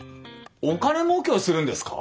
お金もうけをするんですか？